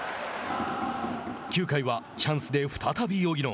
９回はチャンスで再び荻野。